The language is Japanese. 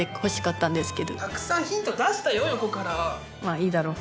まあいいだろう。